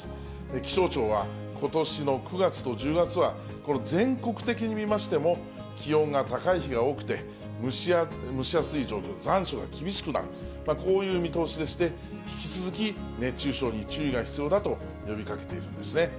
気象庁は、ことしの９月と１０月は、全国的に見ましても、気温が高い日が多くて、蒸し暑い状況、残暑が厳しくなる、こういう見通しでして、引き続き熱中症に注意が必要だと呼びかけているんですね。